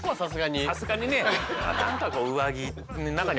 さすがにね。